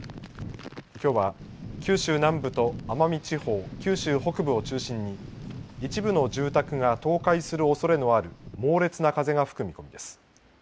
きょうは九州南部と奄美地方、九州北部を中心に、一部の住宅が倒壊するおそれのある猛烈な風が吹く見込みです。